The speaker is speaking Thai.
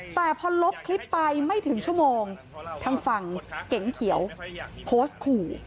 แต่พอลบคลิปไปไม่ถึงชั่วโมงทางฝั่งเก๋งเขียวโพสต์ขู่